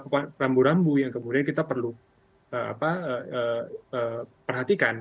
nah ini ada beberapa rambu rambu yang kemudian kita perlu perhatikan